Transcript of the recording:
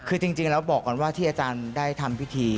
คือจริงแล้วบอกก่อนว่าที่อาจารย์ได้ทำพิธี